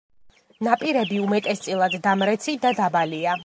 ნაპირები უმეტესწილად დამრეცი და დაბალია.